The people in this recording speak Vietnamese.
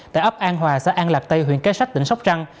tại ấp an hòa xã an lạc tây huyện kế sách tỉnh sóc trăng